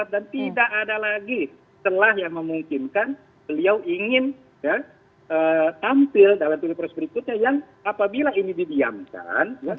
dan tidak ada lagi telah yang memungkinkan beliau ingin tampil dalam tulis perusahaan berikutnya yang apabila ini didiamkan